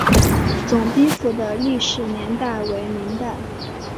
总兵府的历史年代为明代。